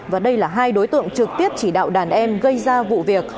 và đây là hai đối tượng trực tiếp chỉ đạo đàn em gây ra vụ việc